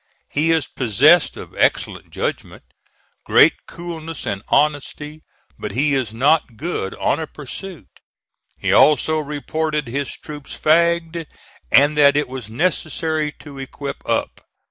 He is possessed of excellent judgment, great coolness and honesty, but he is not good on a pursuit. He also reported his troops fagged, and that it was necessary to equip up.